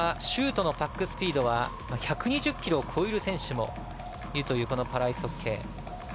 シュートのパックスピードは１２０キロを超える選手もいるというパラアイスホッケー。